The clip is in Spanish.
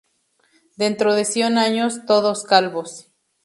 Dentro de cien años, todos calvos